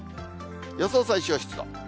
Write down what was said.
予想最小湿度。